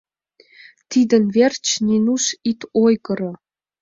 Тидын верч, Нинуш, ит ойгыро...